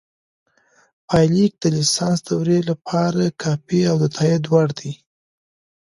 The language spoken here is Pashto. پایلیک د لیسانس دورې لپاره کافي او د تائید وړ دی